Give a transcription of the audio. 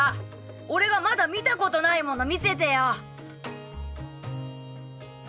俺がまた見たことないもの見せてよ。